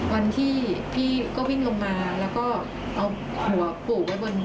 วันที่พี่ก็พิ้นลงมาแล้วก็เอาหัวปลูกไว้บนบนตะพี่